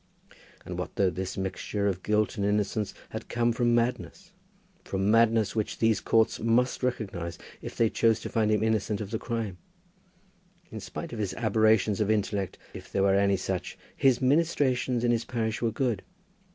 And what though this mixture of guilt and innocence had come from madness, from madness which these courts must recognize if they chose to find him innocent of the crime? In spite of his aberrations of intellect, if there were any such, his ministrations in his parish were good.